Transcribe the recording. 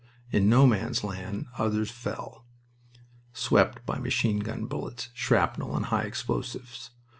In No Man's Land others fell, swept by machine gun bullets, shrapnel, and high explosives.